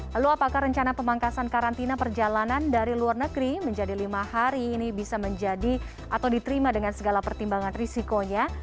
lalu apakah rencana pemangkasan karantina perjalanan dari luar negeri menjadi lima hari ini bisa menjadi atau diterima dengan segala pertimbangan risikonya